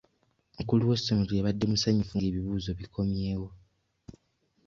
Omukulu w'essomero yabadde musanyufu nga ebibuuzo bikomyewo.